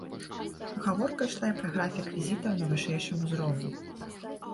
Гаворка ішла і пра графік візітаў на вышэйшым узроўні.